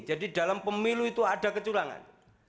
jadi dalam pemilu itu ada kecurangan